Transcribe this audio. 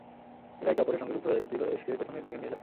এরা একে অপরের সঙ্গে যুক্ত হয়ে একেকটি দেশকে পেছনের দিকে নিয়ে যায়।